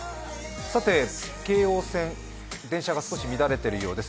京王線、電車が少し乱れているようです。